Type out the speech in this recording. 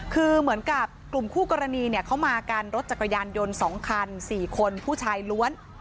คือเหมือนกับกลุ่มคู่กรณีเนี่ยเขามากันรถจักรยานยนต์๒คัน๔คนผู้ชายล้วน